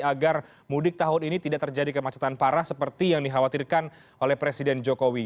agar mudik tahun ini tidak terjadi kemacetan parah seperti yang dikhawatirkan oleh presiden jokowi